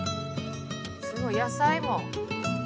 すごい野菜も。